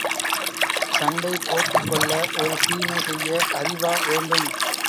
சண்டை போட்டுக் கொள்ள ஒரு தீமை செய்ய அறிவா வேண்டும்?